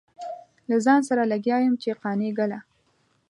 له ځان سره لګيا يم چې قانع ګله.